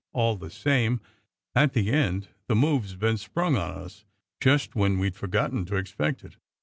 All the same, at the end the move s been sprung on us, just when we d forgotten to expect it.